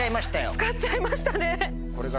使っちゃいましたね。